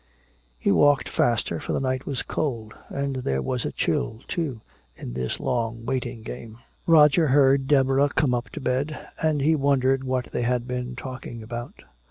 He walked faster, for the night was cold. And there was a chill, too, in this long waiting game. Roger heard Deborah come up to bed, and he wondered what they had been talking about.